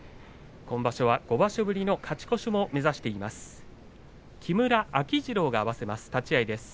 今場所は５場所ぶりの勝ち越しを目指しています。